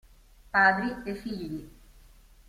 Padri e figli